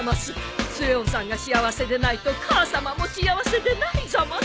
末男さんが幸せでないと母さまも幸せでないざます。